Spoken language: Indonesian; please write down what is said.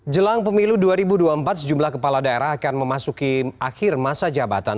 jelang pemilu dua ribu dua puluh empat sejumlah kepala daerah akan memasuki akhir masa jabatan